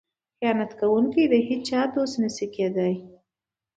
خیانت کوونکی د هیچا دوست نشي کیدی.